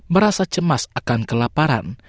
merasa cemas akan kelaparan